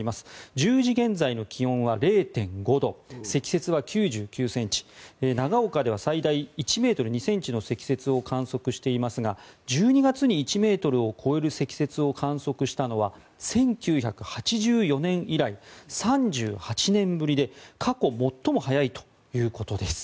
１０時現在の気温は０．５度積雪は９９ｃｍ長岡では最大１ｍ２ｃｍの積雪を観測していますが１２月に１ｍを超える積雪を観測したのは１９８４年以来３８年ぶりで過去最も早いということです。